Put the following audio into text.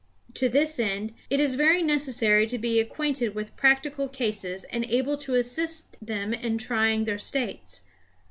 To this end it is very necessary to be acquainted with practical cases and able to assist them in trying their states.